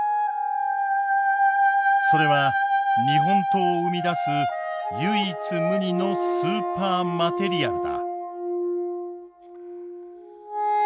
それは日本刀を生み出す唯一無二のスーパーマテリアルだ。